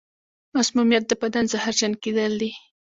مسمومیت د بدن زهرجن کېدل دي.